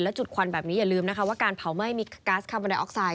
จุดควันแบบนี้อย่าลืมนะคะว่าการเผาไหม้มีก๊าซคาร์บอนไดออกไซด